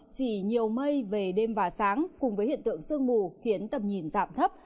chỉ nhiều mây về đêm và sáng cùng với hiện tượng sương mù khiến tầm nhìn giảm thấp